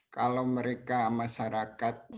kalau mereka masyarakat tv nya berubah